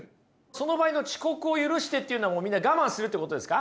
その場合の遅刻を許してっていうのはみんな我慢するってことですか？